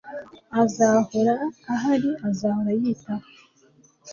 Azahora ahari azahora yitaho